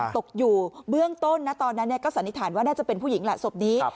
ตกอยู่เบื้องต้นนะตอนนั้นก็สันนิษฐานว่าน่าจะเป็นผู้หญิงแหละศพนี้